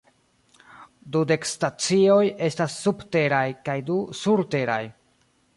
Dudek stacioj estas subteraj kaj du surteraj.